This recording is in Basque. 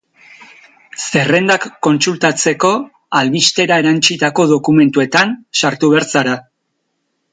Zerrendak kontsultatzeko, albistera erantsitako dokumentuetan sartu behar zara.